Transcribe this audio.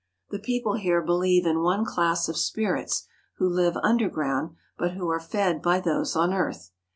The people here believe in one class of spirits who live underground but who are fed by those on earth.